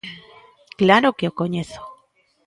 Claro que o coñezo.